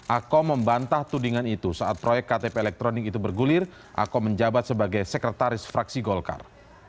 akom membantah tudingan itu saat proyek ktp elektronik itu bergulir akom menjabat sebagai sekretaris fraksi golkar